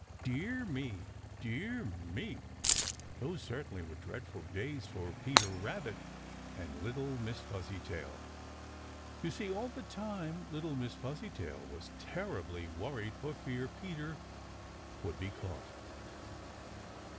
Dear me, dear me, those certainly were dreadful days for Peter Rabbit and little Miss Fuzzytail. You see, all the time little Miss Fuzzytail was terribly worried for fear Peter would be caught.